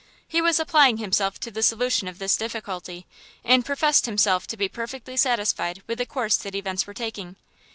He was applying himself to the solution of this difficulty, and professed himself to be perfectly satisfied with the course that events were taking.